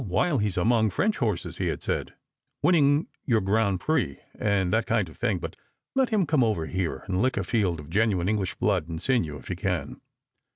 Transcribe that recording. while he's among French horses," he had said, " winning your Grand Prix, and that kind of thing ; but let him come over here and lick a field of geuuine English blood and sinew, if he can."